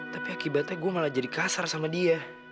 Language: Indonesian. tapi akibatnya gue malah jadi kasar sama dia